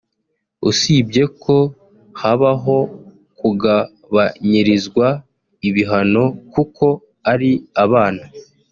usibye ko habaho kugabanyirizwa ibihano kuko ari abana”